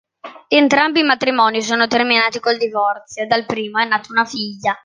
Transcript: Entrambi i matrimoni sono terminati col divorzio: dal primo è nato una figlia.